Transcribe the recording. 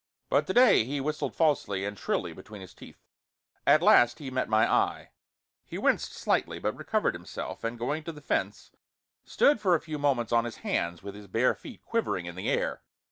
But to day he whistled falsely and shrilly between his teeth. At last he met my eye. He winced slightly, but recovered himself, and going to the fence, stood for a few moments on his hands, with his bare feet quivering in the air.